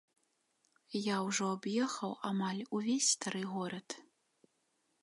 Я ўжо аб'ехаў амаль увесь стары горад.